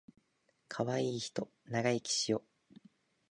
かわいいひと長生きしよ